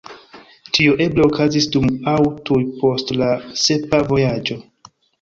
Tio eble okazis dum aŭ tuj post la sepa vojaĝo.